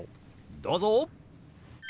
どうぞ！